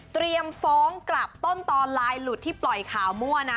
ฟ้องกลับต้นตอนไลน์หลุดที่ปล่อยข่าวมั่วนะ